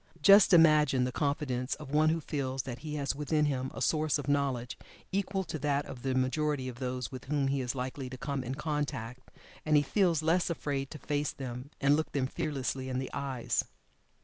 Just imagine the confidence of one who feels that he has within him a source of knowledge equal to that of the majority of those with whom he is likely to come in contact, and he feels less afraid to face them, and look them fearlessly in the eyes.